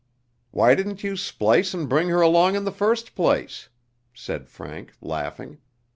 "Why didn't you splice and bring her along in the first place?" said Frank, laughing.